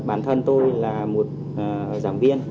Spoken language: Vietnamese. thì bản thân tôi là một giảm viên